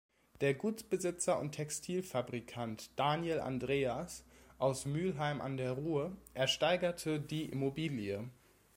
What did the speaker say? Der Gutsbesitzer und Textilfabrikant Daniel Andreas aus Mülheim an der Ruhr ersteigerte die Immobilie.